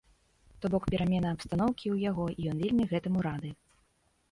То бок перамена абстаноўкі ў яго і ён вельмі гэтаму рады.